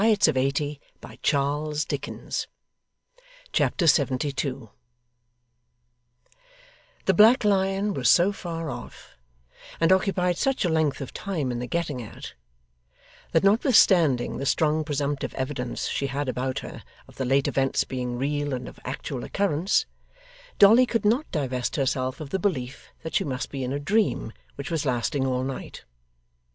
what a long way it was to the Black Lion! Chapter 72 The Black Lion was so far off, and occupied such a length of time in the getting at, that notwithstanding the strong presumptive evidence she had about her of the late events being real and of actual occurrence, Dolly could not divest herself of the belief that she must be in a dream which was lasting all night.